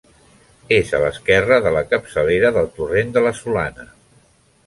És a l'esquerra de la capçalera del torrent de la Solana.